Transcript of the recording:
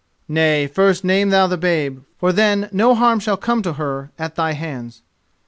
"Nay, first name thou the babe: for then no harm shall come to her at thy hands."